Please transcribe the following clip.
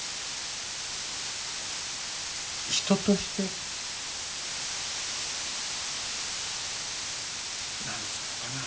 人として何つうのかな